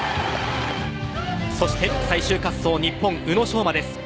そして最終滑走日本・宇野昌磨です。